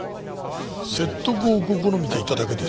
説得を試みていただけですよ。